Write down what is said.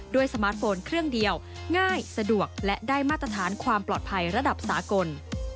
สมาร์ทโฟนเครื่องเดียวง่ายสะดวกและได้มาตรฐานความปลอดภัยระดับสากล